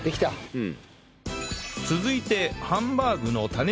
うん。